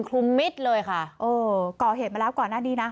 คลุมมิตรเลยค่ะเออก่อเหตุมาแล้วก่อนหน้านี้นะ